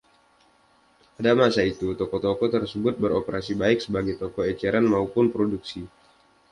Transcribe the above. Pada masa itu toko-toko tersebut beroperasi baik sebagai toko eceran maupun produksi.